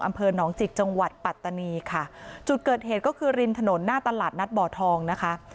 อำเภอหนองจิกจังหวัดปัตตานีค่ะจุดเกิดเหตุก็คือริมถนนหน้าตลาดนัดบ่อทองนะคะ